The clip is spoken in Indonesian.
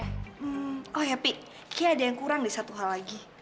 hmm oh ya pi ki ada yang kurang di satu hal lagi